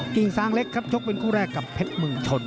กิ่งซางเล็กครับชกเป็นคู่แรกกับเพชรเมืองชน